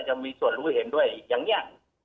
จะมีส่วนรู้เห็นด้วยอย่างนี้